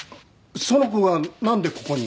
その子がなんでここに？